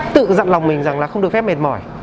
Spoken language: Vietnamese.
tự dặn lòng mình rằng là không được phép mệt mỏi